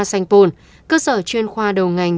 sanh vôn cơ sở chuyên khoa đầu ngành